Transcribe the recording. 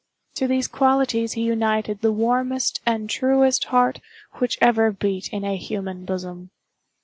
To these qualities he united the warmest and truest heart which ever beat in a human bosom.